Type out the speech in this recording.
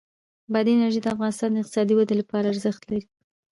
بادي انرژي د افغانستان د اقتصادي ودې لپاره ارزښت لري.